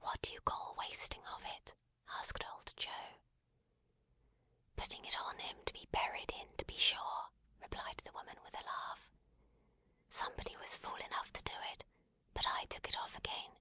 "What do you call wasting of it?" asked old Joe. "Putting it on him to be buried in, to be sure," replied the woman with a laugh. "Somebody was fool enough to do it, but I took it off again.